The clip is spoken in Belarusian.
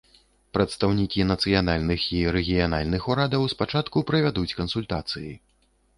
Прадстаўнікі нацыянальных і рэгіянальных урадаў спачатку правядуць кансультацыі.